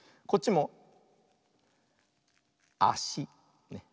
こっちもあし。